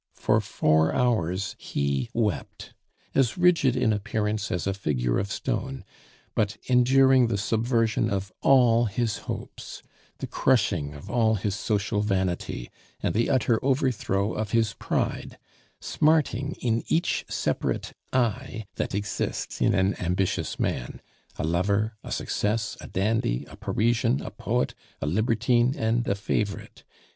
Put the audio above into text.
For four hours he wept, as rigid in appearance as a figure of stone, but enduring the subversion of all his hopes, the crushing of all his social vanity, and the utter overthrow of his pride, smarting in each separate I that exists in an ambitious man a lover, a success, a dandy, a Parisian, a poet, a libertine, and a favorite.